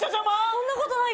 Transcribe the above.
そんなことない。